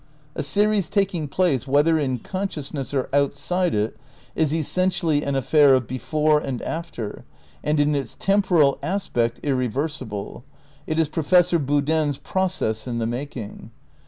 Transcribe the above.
A series taking place, whether in consciousness or outside it, is essentially an affair of before and after and in its temporal aspect irreversi ble; it is Professor Boodin 's "process in the making."